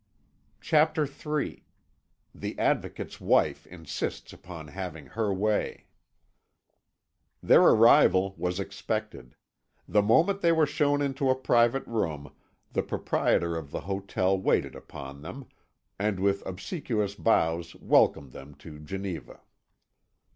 CHAPTER III THE ADVOCATE'S WIFE INSISTS UPON HAVING HER WAY Their arrival was expected. The moment they were shown into a private room the proprietor of the hotel waited upon them, and with obsequious bows welcomed them to Geneva.